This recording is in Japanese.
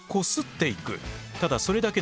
ただそれだけなんです。